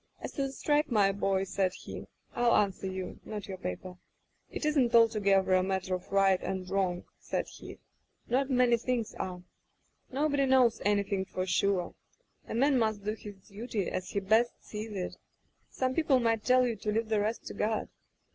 As to the strike, my boy,' said he, 'I'll answer you — not your paper. It isn't altogether a matter of right and wrong,* said he, * not many things are. Nobody knows anything for sure. A man must do his duty as he best sees it. Some peo ple might tell you to leave the rest to God.